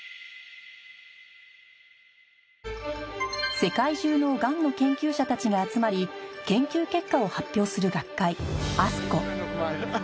世界中のがんの研究者たちが集まり研究結果を発表する学会